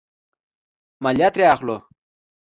مالیه ترې اخلو.